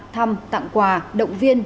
thăm tặng quà động viên